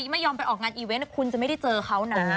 ไม่ยอมไปออกงานอีเวนต์คุณจะไม่ได้เจอเขานะ